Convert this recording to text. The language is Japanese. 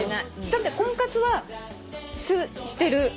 だって婚活はしてる。